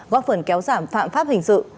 góp phần kéo giảm phạm pháp hình sự